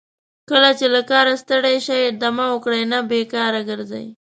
کله چې له کاره ستړي شئ دمه وکړئ نه بیکاره ګرځئ.